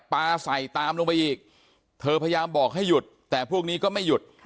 ปลาใส่ตามลงไปอีกเธอพยายามบอกให้หยุดแต่พวกนี้ก็ไม่หยุด